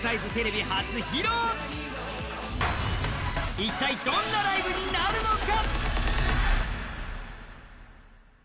一体どんなライブになるのか？